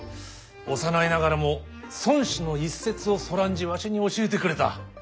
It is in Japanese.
幼いながらも孫子の一節をそらんじわしに教えてくれた。